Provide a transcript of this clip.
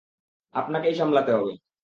আপনাকেই সামলাতে হবে।